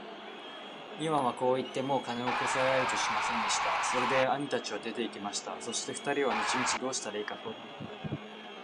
イワンはこう言って、もう金をこさえようとはしませんでした。それで兄たちは出て行きました。そして二人は道々どうしたらいいか相談しました。